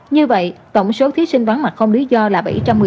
như vậy tổng số thí sinh vắng mặt không lý do là bảy trăm một mươi tám